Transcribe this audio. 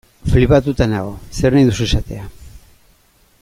Flipatuta nago, zer nahi duzu esatea.